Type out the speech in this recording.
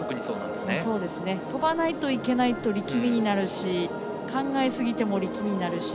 跳ばないといけないと思うと力みになるし考えすぎても力みになるし。